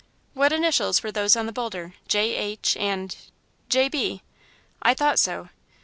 "What initials were those on the boulder? J. H. and " "J. B." "I thought so.